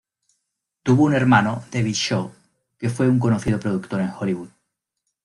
Tuvo un hermano, David Shaw, que fue un conocido productor en Hollywood.